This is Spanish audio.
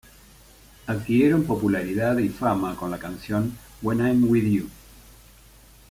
Adquirieron popularidad y fama con la canción "When I'm with You".